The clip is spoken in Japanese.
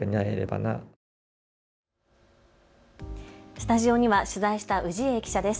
スタジオには取材した氏家記者です。